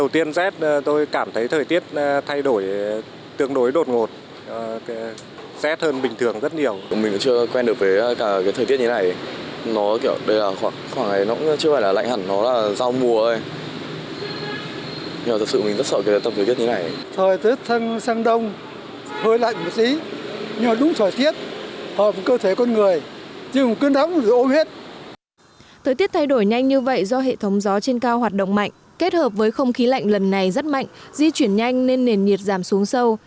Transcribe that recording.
thời tiết thay đổi nhanh như vậy do hệ thống gió trên cao hoạt động mạnh kết hợp với không khí lạnh lần này rất mạnh di chuyển nhanh nên nền nhiệt giảm xuống sâu